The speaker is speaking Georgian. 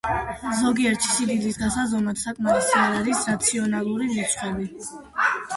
ზოგიერთი სიდიდის გასაზომად საკმარისი არ არის რაციონალური რიცხვები.